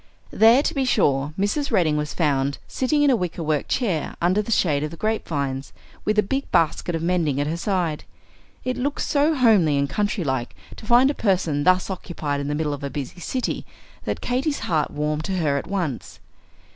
There, to be sure, Mrs. Redding was found sitting in a wicker work chair under the shade of the grapevines, with a big basket of mending at her side. It looked so homely and country like to find a person thus occupied in the middle of a busy city, that Katy's heart warmed to her at once.